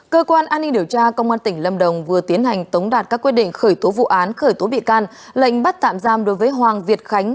cơ quan công an tỉnh lâm đồng vừa tiến hành tống đạt các quyết định khởi tố vụ án khởi tố bị can lệnh bắt tạm giam đối với hoàng việt khánh